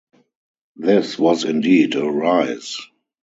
This was indeed a rise.